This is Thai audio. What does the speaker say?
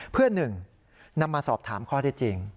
เพื่อหนึ่งนำมาสอบถามข้อได้จริง